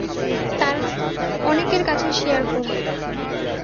তারা অনেকের কাছে শেয়ার করবে।